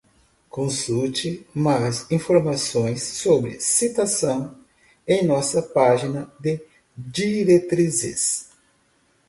Consulte mais informações sobre citação em nossa página de diretrizes.